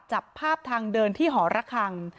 จับภาพทางเดินที่หอระคัง